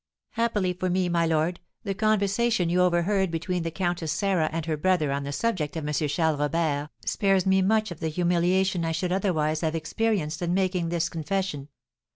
Happily for me, my lord, the conversation you overheard between the Countess Sarah and her brother on the subject of M. Charles Robert spares me much of the humiliation I should otherwise have experienced in making this confession.